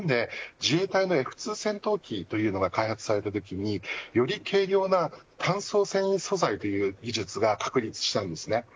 ただ、１９８０年代に日本で自衛隊のＦ２戦闘機というのが開発されたときにより軽量な炭素繊維素材という技術が確立したんですね。